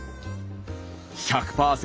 １００％